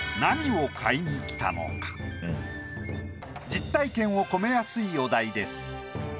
実体験を込めやすいお題です。